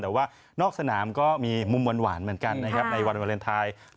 แต่ว่านอกสนามก็มีมุมหวันเหมือนกันในวันเวลนไทย